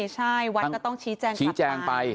ใช่วัดก็ต้องชี้แจงกลับมา